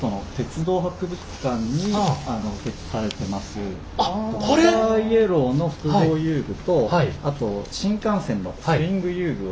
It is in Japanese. ドクターイエローの複合遊具とあと新幹線のスイング遊具を。